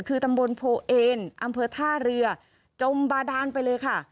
คือตำบลโพเอนอำเภอท่าเรือจมบาดานไปเลยค่ะ